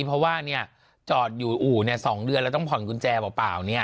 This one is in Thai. เพราะว่าเนี่ยจอดอยู่อู่เนี่ยสองเดือนแล้วต้องผ่อนกุญแจเปล่าเปล่าเนี่ย